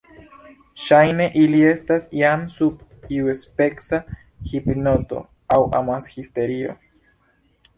Ŝajne ili estas jam sub iuspeca hipnoto aŭ amashisterio.